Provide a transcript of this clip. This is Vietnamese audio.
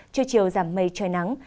trưa chiều giảm mây trời nắng